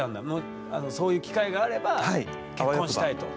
そういう機会があれば結婚したいと。